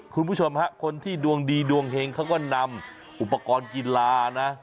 คุณผู้ชมฮะคนที่ดวงดีดวงเฮงเขาก็นำอุปกรณ์กีฬานะ